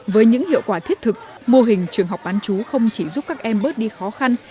với những hiệu quả thiết thực mô hình trường học bán chú không chỉ giúp các em bớt đi khó khăn